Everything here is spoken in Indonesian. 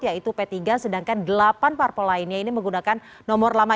yaitu p tiga sedangkan delapan parpol lainnya ini menggunakan nomor lama